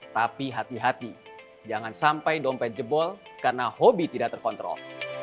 tapi hati hati jangan sampai dompet jebol karena hobi tidak terkontrol